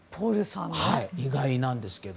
意外なんですけど。